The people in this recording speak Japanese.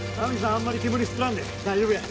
あんまり煙吸っとらんで大丈夫や。